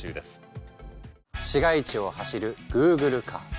市街地を走るグーグルカー。